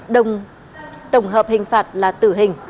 đồng tổng hợp hình phạt là tử hình